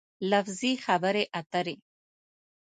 لفظي خبرې اترې